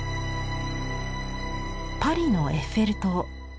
「パリのエッフェル塔」。